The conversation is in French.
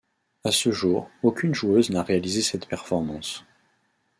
À ce jour, aucune joueuse n'a réalisé cette performance.